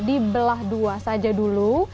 dibelah dua saja dulu